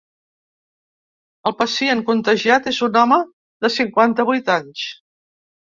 El pacient contagiat és un home de cinquanta-vuit anys.